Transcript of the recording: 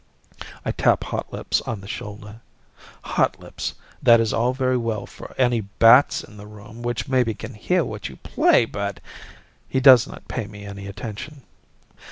I tap Hotlips on the shoulder. "Hotlips, that is all very well for any bats in the room which maybe can hear what you play, but " He does not pay me any attention.